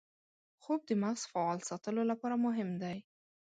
خوب د مغز فعال ساتلو لپاره مهم دی